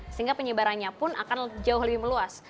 sehingga penyebarannya pun akan jauh lebih meluas